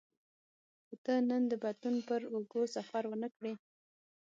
که ته نن د بدلون پر اوږو سفر ونه کړې.